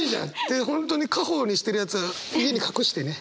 で本当に家宝にしてるやつは家に隠してね。